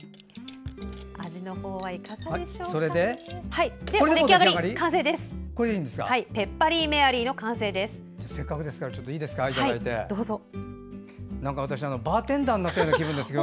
味のほうはいかがでしょうかね。